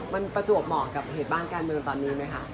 มันประจวบเหมาะกับเหตุบ้านการเมืองตอนนี้ไหมคะ